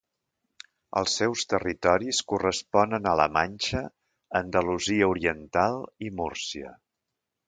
Els seus territoris corresponen a la Manxa, Andalusia oriental i Múrcia.